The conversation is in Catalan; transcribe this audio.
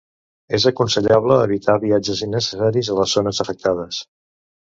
És aconsellable evitar viatges innecessaris a les zones afectades.